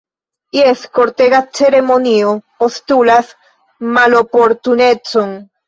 Jes, kortega ceremonio postulas maloportunecon!